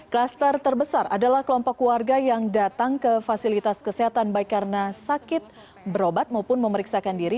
klaster terbesar adalah kelompok warga yang datang ke fasilitas kesehatan baik karena sakit berobat maupun memeriksakan diri